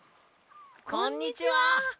こんにちは！